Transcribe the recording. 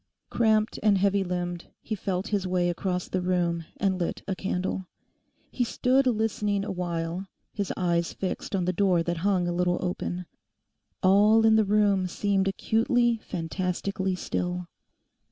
Cramped and heavy limbed, he felt his way across the room and lit a candle. He stood listening awhile: his eyes fixed on the door that hung a little open. All in the room seemed acutely fantastically still.